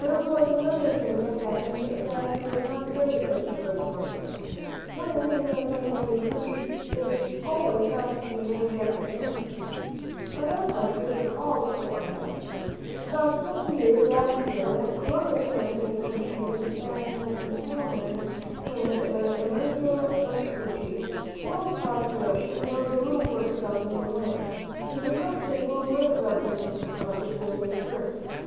There was another thing that happened that Was not fair to Christopher Columbus. When a man finds a new country, it always ought to l^M 24 THE MAN WHO FOUND AMERICA ^P: 3i be named after him. But our country was never called Columbia. About seven years after Columbus found the new country, an Italian, named Amerigo Vespucci, sailed across the ocean and wrote a little book about the new land. He did not say one word about Christopher Columbus being there first.